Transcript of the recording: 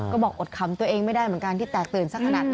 ก็บอกอดขำตัวเองไม่ได้เหมือนกันที่แตกตื่นสักขนาดนั้น